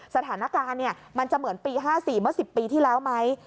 สถานการณ์มันจะเหมือนปี๕๔เมื่อ๑๐ปีที่แล้วไหม